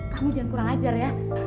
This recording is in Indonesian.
kamu jangan kurang ajar ya